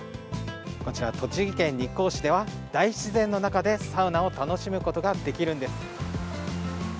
こちら、栃木県日光市では大自然の中でサウナを楽しむことができるんです。